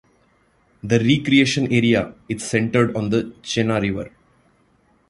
The recreation area is centered on the Chena River.